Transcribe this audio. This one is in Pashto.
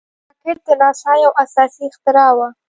راکټ د ناسا یو اساسي اختراع وه